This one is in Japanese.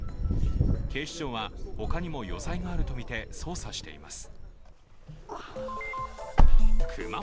警視庁は他にも余罪があると見て捜査しています。